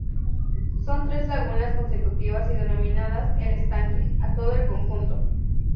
Son tres lagunas consecutivas y denominadas "El Estanque" a todo el conjunto.